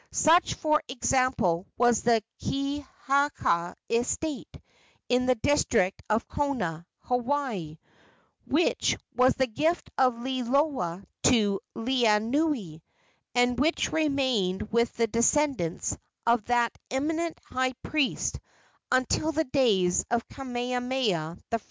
Such, for example, was the Kekaha estate, in the district of Kona, Hawaii, which was the gift of Liloa to Laeanui, and which remained with the descendants of that eminent high priest until the days of Kamehameha I.